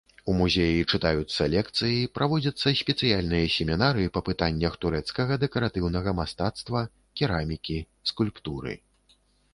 У музеі чытаюцца лекцыі, праводзяцца спецыяльныя семінары па пытаннях турэцкага дэкаратыўнага мастацтва, керамікі, скульптуры.